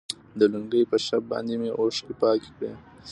د لونگۍ په شف باندې مې اوښکې پاکې کړي.